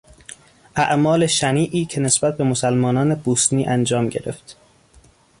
اعمال شنیعی که نسبت به مسلمانان بوسنی انجام گرفت